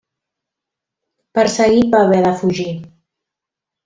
Perseguit va haver de fugir.